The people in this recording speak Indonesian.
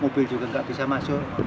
mobil juga nggak bisa masuk